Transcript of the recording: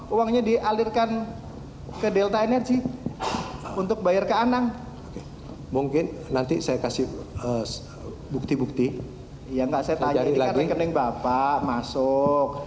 yang saya tanya ini kan rekening bapak masuk